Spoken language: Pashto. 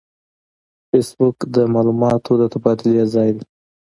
فېسبوک د معلوماتو د تبادلې ځای دی